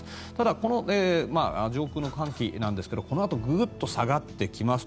この上空の寒気はこのあとぐっと下がってきます。